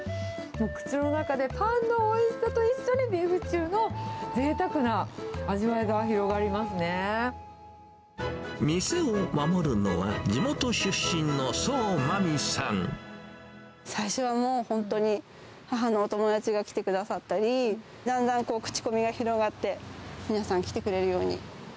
口の中でパンのおいしさと一緒に、ビーフシチューのぜいたくな味わ店を守るのは、最初はもう本当に、母のお友達が来てくださったり、だんだん口コミが広がって、皆さん、来てくれるように。